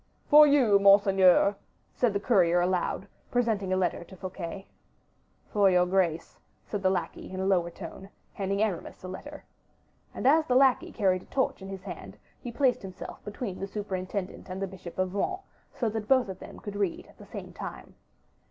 "For you, monseigneur," said the courier aloud, presenting a letter to Fouquet. "For your grace," said the lackey in a low tone, handing Aramis a letter. And as the lackey carried a torch in his hand, he placed himself between the superintendent and the bishop of Vannes, so that both of them could read at the same time.